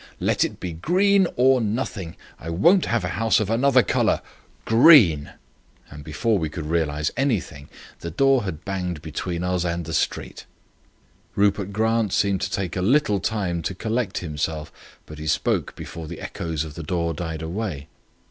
Let it be green or nothing. I won't have a house of another colour. Green!" and before we could realize anything the door had banged between us and the street. Rupert Grant seemed to take a little time to collect himself; but he spoke before the echoes of the door died away.